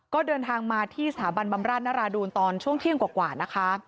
ก็เดินทางมาที่สถาบันบำราชนราดูนตอนช่วงเที่ยงกว่านะคะ